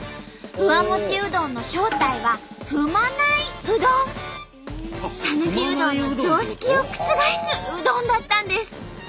フワモチうどんの正体はさぬきうどんの常識を覆すうどんだったんです。